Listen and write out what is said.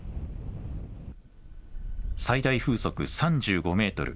最大風速３５メートル